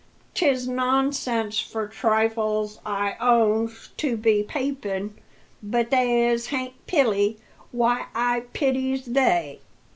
'Tis nonsense for trifles, I owns, to be pipin', But they as hain't pily why, I pities they!"